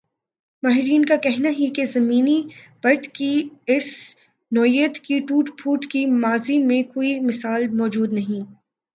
ماہرین کا کہنا ہی کہ زمینی پرت کی اس نوعیت کی ٹوٹ پھوٹ کی ماضی میں کوئی مثال موجود نہیں ا